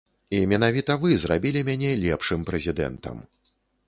І менавіта вы зрабілі мяне лепшым прэзідэнтам.